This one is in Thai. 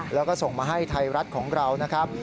แล้วก็ส่งมาให้ไทยรัฐของเรานะครับ